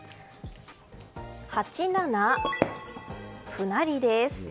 ８七歩成です。